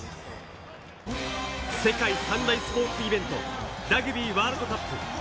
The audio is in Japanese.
世界三大スポーツイベント、ラグビーワールドカップ。